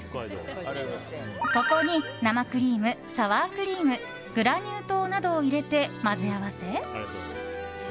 ここに生クリームサワークリームグラニュー糖などを入れて混ぜ合わせ